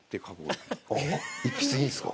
一筆いいんですか？